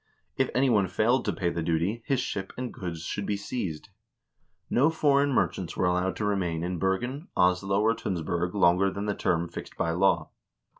If any one failed to pay the duty, his ship and goods should be seized. No foreign merchants were allowed to remain in Bergen, Oslo, or Tunsberg longer than the term fixed by law.